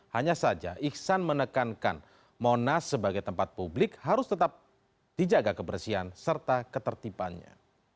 hanya saja iksan menekankan monas sebagai tempat publik harus tetap dijaga kebersihan serta ketertibannya